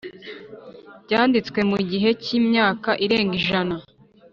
byanditswe mu gihe cy imyaka irenga ijana